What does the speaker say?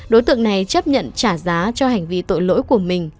đối tượng này chấp nhận trả giá